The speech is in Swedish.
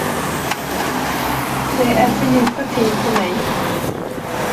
Det är för djupa ting för mig.